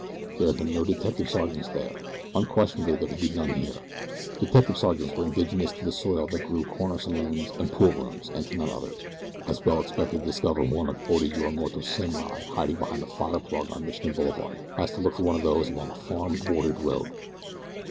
There had been no detective sergeants there unquestionably there could be none here. Detective sergeants were indigenous to the soil that grew corner saloons and poolrooms, and to none other as well expect to discover one of Oda Yorimoto's samurai hiding behind a fire plug on Michigan Boulevard, as to look for one of those others along a farm bordered road.